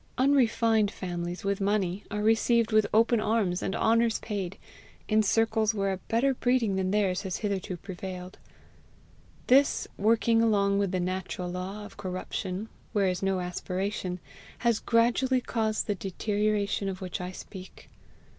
Unrefined families with money are received with open arms and honours paid, in circles where a better breeding than theirs has hitherto prevailed: this, working along with the natural law of corruption where is no aspiration, has gradually caused the deterioration of which I speak.